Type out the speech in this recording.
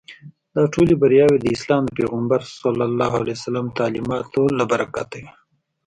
دا ټولې بریاوې د اسلام د پیغمبر تعلیماتو له برکته وې.